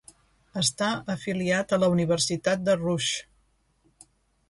Està afiliat a la Universitat de Rush.